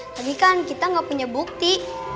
tapi kan kita nggak punya bukti